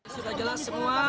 sudah jelas semua